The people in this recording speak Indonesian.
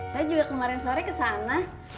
saya juga kemarin sore kesana